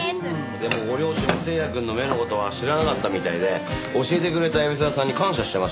でもご両親も星也くんの目の事は知らなかったみたいで教えてくれた海老沢さんに感謝してましたよ。